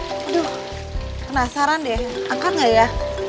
aduh penasaran deh angkat gak ya